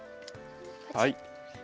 はい。